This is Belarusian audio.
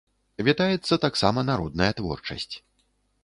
Вітаецца таксама народная творчасць.